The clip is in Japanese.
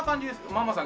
ママさん